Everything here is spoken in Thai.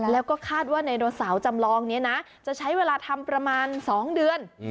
แล้วก็คาดว่าไนโนเสาร์จำลองนี้นะจะใช้เวลาทำประมาณ๒เดือน